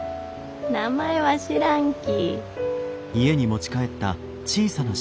名前は知らんき。